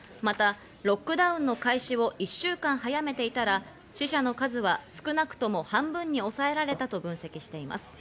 またロックダウンの開始を１週間早めていたら死者の数は少なくとも半分に抑えられたと分析しています。